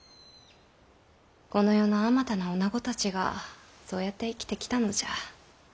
この世のあまたの女子たちがそうやって生きてきたのじゃ。